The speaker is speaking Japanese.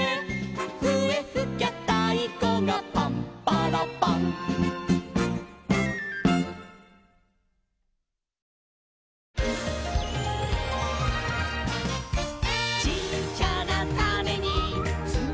「ふえふきゃたいこがパンパラパン」「ちっちゃなタネにつまってるんだ」